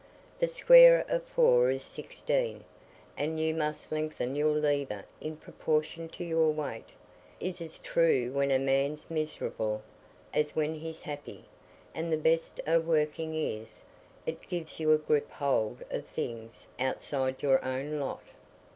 The square o' four is sixteen, and you must lengthen your lever in proportion to your weight, is as true when a man's miserable as when he's happy; and the best o' working is, it gives you a grip hold o' things outside your own lot."